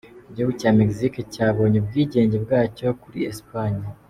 Igihugu cya Mexique cyabonye ubwigenge bwacyo kuri Espagne.